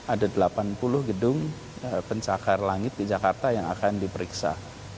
ada delapan puluh gedung pencakar langit di jakarta yang akan diperiksa